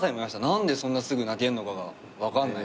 何でそんなすぐ泣けるのかが分かんないみたいな。